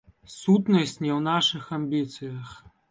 Сутнасць не ў нашых амбіцыях.